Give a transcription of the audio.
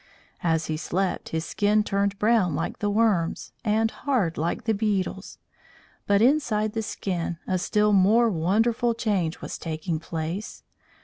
As he slept his skin turned brown like the worm's, and hard like the beetle's; but inside the skin a still more wonderful change was taking place.